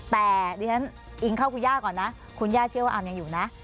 แต่ดิฉันอิงเข้าคุณย่าก่อนนะคุณย่าเชื่อว่าอามยังอยู่นะ